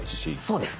そうです。